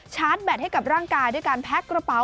ชาร์จแบตให้กับร่างกายด้วยการแพ็กกระเป๋า